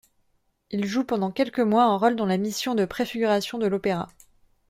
Il joue pendant quelques mois un rôle dans la mission de préfiguration de l'Opéra.